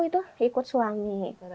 itu ikut suami